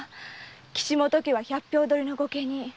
岸本家は百俵取りの御家人。